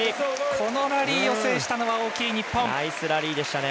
このラリーを制したのは大きい、日本！